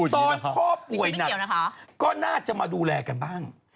ตอนพ่อป่วยหนักก็น่าจะมาดูแลกันบ้าง